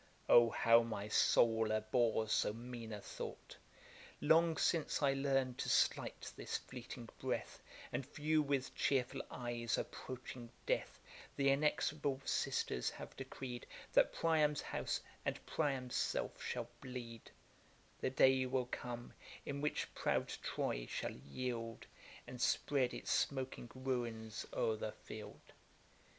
Oh! how my soul abhors so mean a thought. Long since I learn'd to slight this fleeting breath, And view with cheerful eyes approaching death The inexorable sisters have decreed That Priam's house, and Priam's self shall bleed: The day will come, in which proud Troy shall yield, And spread its smoking ruins o'er the field.